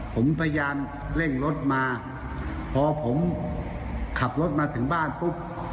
ผมพยายามเร่งรถมาพอผมขับรถมาถึงบ้านปุ๊บ